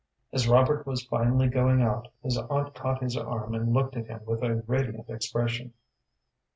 As Robert was finally going out his aunt caught his arm and looked at him with a radiant expression.